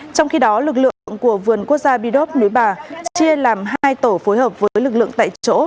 trong khi đó lực lượng của vườn quốc gia bi đốp núi bà chia làm hai tổ phối hợp với lực lượng tại chỗ